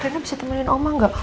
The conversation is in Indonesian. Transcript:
rena bisa temenin oma gak